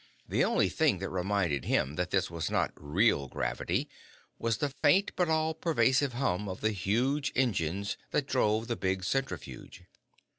The only thing that reminded him that this was not "real" gravity was the faint, but all pervasive hum of the huge engines that drove the big centrifuge.